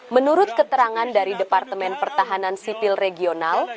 menurut keterangan dari departemen pertahanan sipil regional